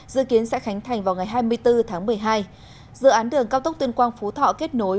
dự kiến sẽ khánh thành vào ngày hai mươi bốn tháng một mươi hai dự án đường cao tốc tuyên quang phú thọ kết nối